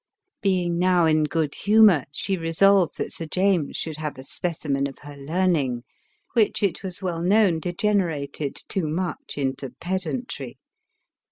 Being now in good humor, she re solved that Sir James should have a specimen of her learning, which it was well known degenerated too much into pedantry.